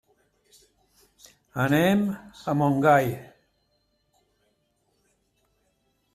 Anem a Montgai.